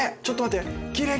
ちょっと待って。